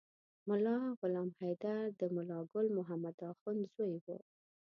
ملا غلام حیدر د ملا ګل محمد اخند زوی و.